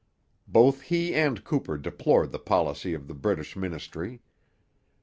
Both he and Cooper deplored the policy of the British ministry.